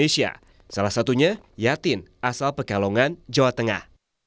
salah satunya yatin asal pekalongan jawa tengah